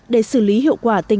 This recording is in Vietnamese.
để xử lý hiệu quả tình trạng